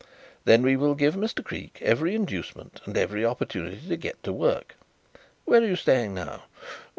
"Then we will give Mr. Creake every inducement and every opportunity to get to work. Where are you staying now?"